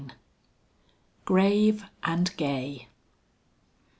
XVII. GRAVE AND GAY.